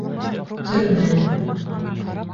Төрмә!